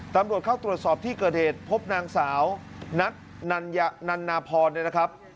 ตำรวจเข้าตรวจสอบที่เกิดเหตุพบนางสาวนัทนันนาพรเนี่ยนะครับ